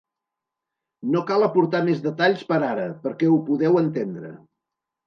No cal aportar més detalls per ara perquè ho podeu entendre.